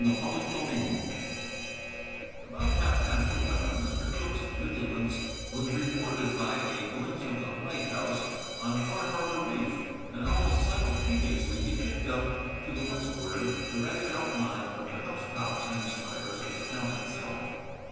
CHAPTER XVI About half past eleven Mr. Cooke's vigilance was rewarded by a glimpse of the lighthouse on Far Harbor reef, and almost simultaneously he picked up, to the westward, the ragged outline of the house tops and spires of the town itself.